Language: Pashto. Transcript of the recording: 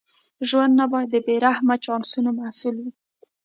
ژوند نه باید د بې رحمه چانسونو محصول وي.